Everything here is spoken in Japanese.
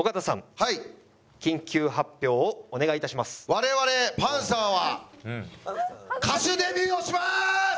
我々パンサーは歌手デビューをします！